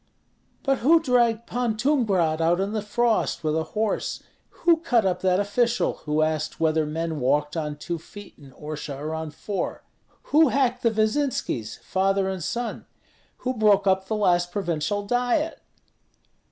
"But who dragged Pan Tumgrat out in the frost with a horse; who cut up that official, who asked whether men walked on two feet in Orsha or on four? Who hacked the Vyzinskis, father and son? Who broke up the last provincial Diet?"